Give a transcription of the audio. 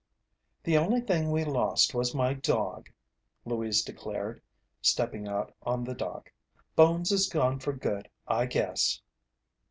"The only thing we lost was my dog," Louise declared, stepping out on the dock. "Bones is gone for good, I guess."